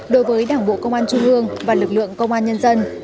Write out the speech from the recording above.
đối với đảng bộ công an trung ương và lực lượng công an nhân dân